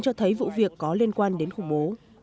cho thấy vụ việc có liên quan đến khủng bố